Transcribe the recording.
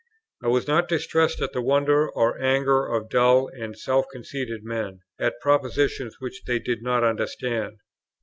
I was not distressed at the wonder or anger of dull and self conceited men, at propositions which they did not understand.